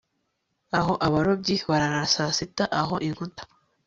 Aho abarobyi barara saa sita aho inkuta